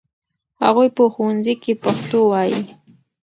هغوی په ښوونځي کې پښتو وايي.